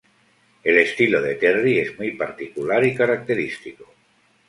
El estilo de Terry es muy particular y característico.